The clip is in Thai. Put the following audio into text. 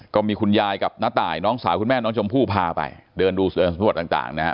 ก็มีคุณยายกับน้าต่ายน้องสาวคุณแม่น้องชมพู่พาไปเดินดูสำรวจต่างนะครับ